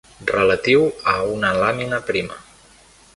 Relatiu a una làmina prima.